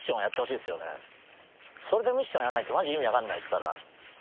それでミッションやんないってマジ意味分かんないですから。